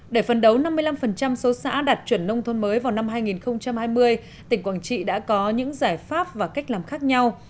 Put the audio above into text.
để phấn đấu năm mươi năm số xã đạt chuẩn nông thôn mới vào năm hai nghìn hai mươi tỉnh quảng trị đã có những giải pháp và cách làm khác nhau